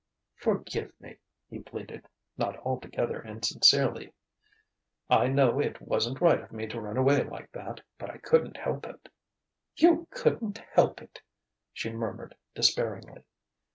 "Forgive me," he pleaded, not altogether insincerely; "I know it wasn't right of me to run away like that, but I couldn't help it." "You couldn't help it!" she murmured despairingly.